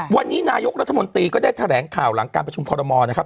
วันนี้นายกรัฐมนตรีก็ได้แถลงข่าวหลังการประชุมคอรมอลนะครับ